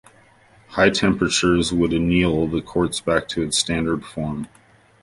High temperatures would anneal the quartz back to its standard form.